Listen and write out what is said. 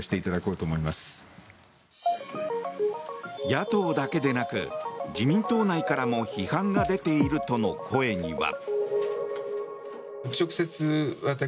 野党だけでなく自民党内からも批判が出ているとの声には。